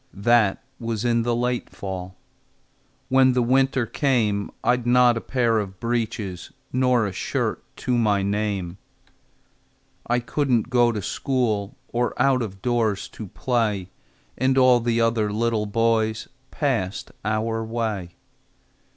That was in the late fall. When the winter came, I'd not a pair of breeches Nor a shirt to my name. I couldn't go to school, Or out of doors to play. And all the other little boys Passed our way.